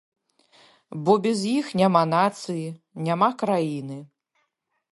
Бо без іх няма нацыі, няма краіны.